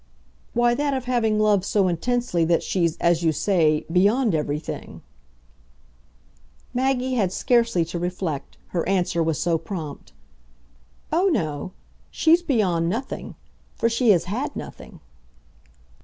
"Why that of having loved so intensely that she's, as you say, 'beyond everything'?" Maggie had scarcely to reflect her answer was so prompt. "Oh no. She's beyond nothing. For she has had nothing."